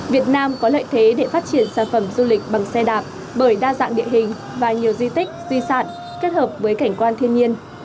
việt nam có lợi thế để phát triển sản phẩm du lịch bằng xe đạp bởi đa dạng địa hình và nhiều di tích di sản kết hợp với cảnh quan thiên nhiên